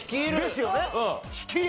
ですよね。